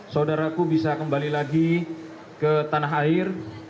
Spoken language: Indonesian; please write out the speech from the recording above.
saudaraku bisa kembali lagi ke tanah air